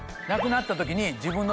なくなった時に。